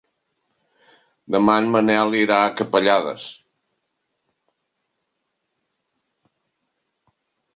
Demà en Manel irà a Capellades.